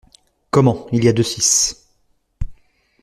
Comment, il y a deux six !